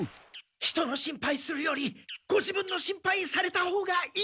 人の心配するよりご自分の心配されたほうがいいですよ。